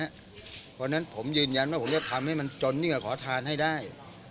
เพราะฉะนั้นผมยืนยันว่าผมจะทำให้มันจนขอทานให้ได้